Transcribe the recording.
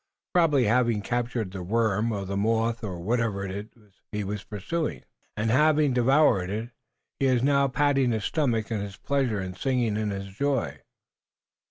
Probably having captured the worm or the moth or whatever it was he was pursuing, and having devoured it, he is now patting his stomach in his pleasure and singing in his joy."